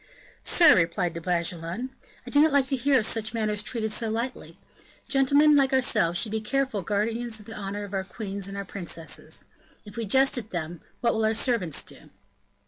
"Sir," replied De Bragelonne, "I do not like to hear such matters treated so lightly. Gentlemen like ourselves should be careful guardians of the honor of our queens and our princesses. If we jest at them, what will our servants do?"